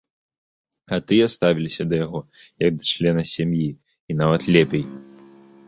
А тыя ставіліся да яго, як да члена сям'і і нават лепей.